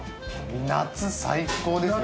夏最高ですね。